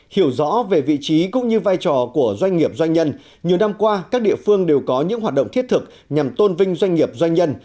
hiểu rõ về vị trí cũng như vai trò của doanh nghiệp doanh nhân nhiều năm qua các địa phương đều có những hoạt động thiết thực nhằm tôn vinh doanh nghiệp doanh nhân